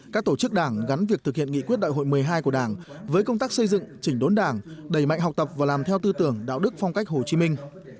các tổ chức đảng gắn việc thực hiện nghị quyết đại hội một mươi hai của đảng với công tác xây dựng chỉnh đốn đảng đầy mạnh học tập và làm theo tư tưởng đạo đức phong cách hồ chí minh